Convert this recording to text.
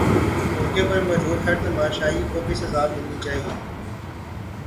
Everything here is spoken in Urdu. موقع پر موجود ہر تماشائی کو بھی سزا ملنی چاہیے